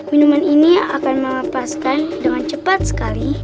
minuman ini akan melepaskan dengan cepat sekali